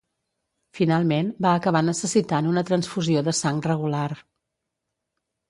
Finalment, va acabar necessitant una transfusió de sang regular.